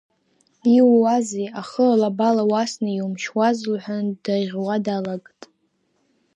Иууазеи, ахы алабала уасны иумшьуаз, — лҳәан даӷьуа далагт.